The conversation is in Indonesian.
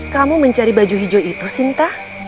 kamu mencari baju hijau itu sinta